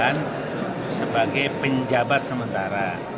diangkat sebagai penjabat sementara